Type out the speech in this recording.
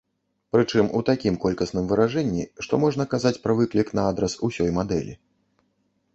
Прычым у такім колькасным выражэнні, што можна казаць пра выклік на адрас усёй мадэлі.